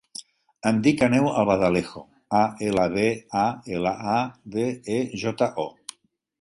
Em dic Aneu Albaladejo: a, ela, be, a, ela, a, de, e, jota, o.